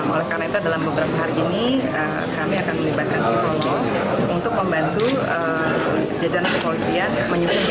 oleh karena itu dalam beberapa hari ini kami akan menyebabkan si pomo